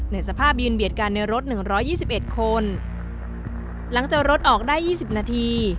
สภาพยืนเบียดกันในรถหนึ่งร้อยยี่สิบเอ็ดคนหลังเจอรถออกได้ยี่สิบนาที